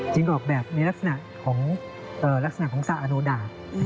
จริงก็ออกแบบในลักษณะของสระอนุดา